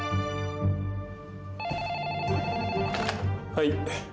☎はい。